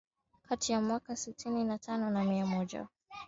kati ya mwaka sitini na tano na mia moja